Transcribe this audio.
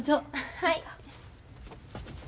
はい。